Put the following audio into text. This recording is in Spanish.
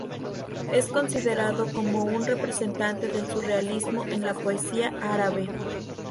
Es considerado como un representante del surrealismo en la poesía árabe.